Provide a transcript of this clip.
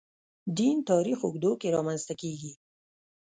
دین تاریخ اوږدو کې رامنځته کېږي.